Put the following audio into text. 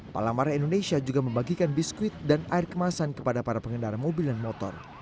palamarah indonesia juga membagikan biskuit dan air kemasan kepada para pengendara mobil dan motor